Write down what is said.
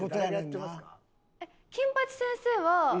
えっ金八先生は。